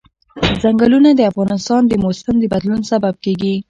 ځنګلونه د افغانستان د موسم د بدلون سبب کېږي.